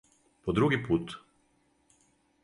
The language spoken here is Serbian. По други пут!